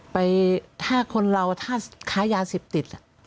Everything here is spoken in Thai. ไปถ้าคนเราถ้าขายยา๑๐ติด